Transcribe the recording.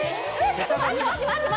ちょっと待って待って！